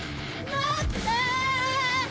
待って！